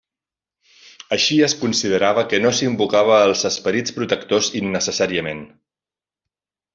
Així es considerava que no s'invocava els esperits protectors innecessàriament.